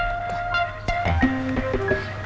maka maka kunci uangnya udah beliaf